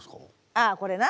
ああこれな。